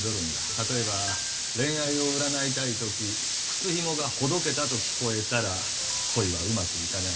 例えば恋愛を占いたい時「靴ひもがほどけた」と聞こえたら恋はうまくいかない。